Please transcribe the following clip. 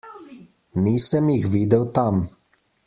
Nisem jih videl tam.